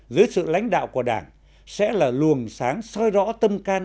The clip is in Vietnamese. dưới sự lãnh đạo của đảng sẽ là luồng sáng soi rõ tâm can